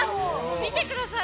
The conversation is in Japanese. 見てください。